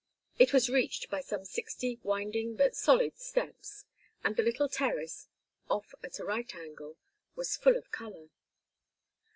It was reached by some sixty winding but solid steps, and the little terrace, off at a right angle, was full of color.